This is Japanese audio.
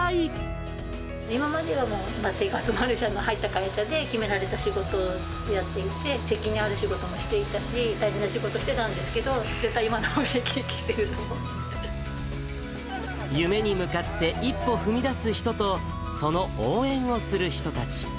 今までは生活もあるし、入った会社で決められた仕事をやっていて、責任ある仕事もしていたし、大事な仕事してたんですけど、絶対今のほうが生き生きして夢に向かって一歩踏み出す人と、その応援をする人たち。